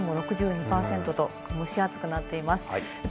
湿度も６２％と蒸し暑くなっています。